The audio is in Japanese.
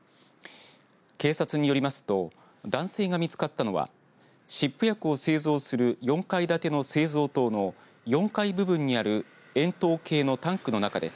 警察によりますと男性が見つかったのは湿布薬を製造する４階建ての製造棟の４階部分にある円筒形のタンクの中です。